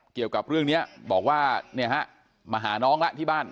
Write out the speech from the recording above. เกี่ยวกับเรื่องนี้บอกว่าเนี่ยฮะมาหาน้องละที่บ้าน